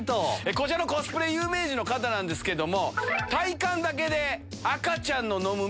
こちらのコスプレ有名人の方ですけども。